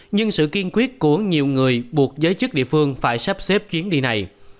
nhưng sự kiên quyết của nhiều người buộc giới chức địa phương phải sắp xếp chuyến đi này